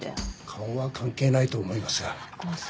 顔は関係ないと思いますがあのさ